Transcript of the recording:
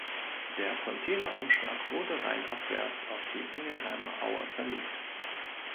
Der Containerumschlag wurde rheinabwärts auf die Ingelheimer Aue verlegt.